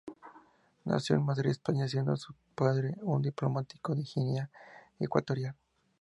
Nació en Madrid, España, siendo su padre un diplomático de Guinea Ecuatorial.